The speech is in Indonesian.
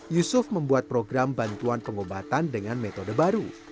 yusuf membuat program bantuan pengobatan dengan metode baru